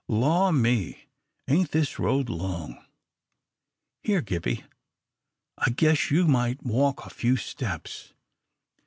Law me, ain't this road long! Here, Gippie, I guess you might walk a few steps.